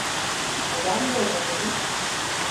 Neden böyle dedin?